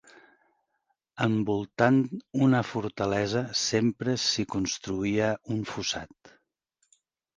Envoltant una fortalesa sempre s'hi construïa un fossat.